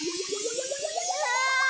うわ！